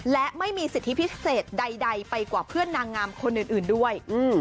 และไม่มีสิทธิพิเศษใดไปกว่าเพื่อนนางงามคนอื่นด้วย